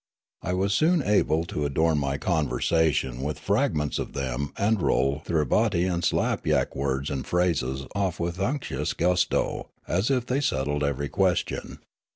I was soon able to adorn my conversation with fragments of them and roll Thribbaty and Slapyak words and phrases off with unctuous gusto, as if they settled every question.